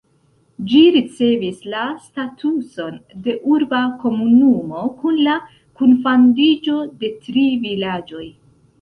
Ĝi ricevis la statuson de urba komunumo kun la kunfandiĝo de tri vilaĝoj.